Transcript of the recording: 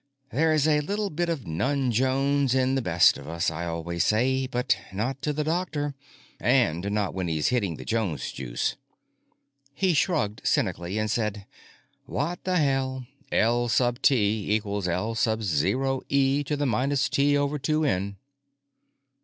"There's a little bit of nonJones in the best of us, I always say—but not to the doctor. And not when he's hitting the Jones juice." He shrugged cynically and said, "What the hell? L sub T equals L sub zero e to the minus T over two N."